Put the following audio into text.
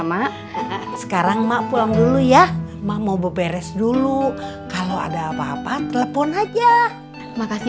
mak sekarang mak pulang dulu ya mak mau berberes dulu kalau ada apa apa telepon aja makasih